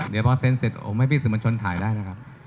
เดี๋ยวพอเซ็นเสร็จผมให้พี่สื่อมวลชนถ่ายได้นะครับ